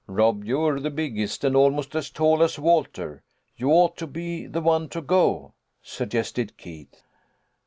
" Rob, you're the biggest, and almost as tall as Walter. You ought to be the one to go," suggested Keith.